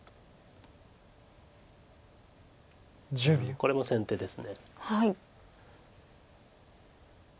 これも先手です。